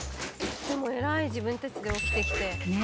でも偉い自分たちで起きてきて。